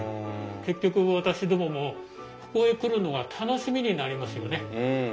結局私どももここへ来るのが楽しみになりますよね。